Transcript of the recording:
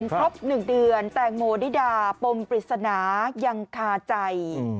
ครบ๑เดือนแตงโมนิดาปมปริศนายังคาใจ